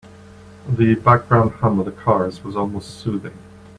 The background hum of the cars was almost soothing.